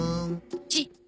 「ち」。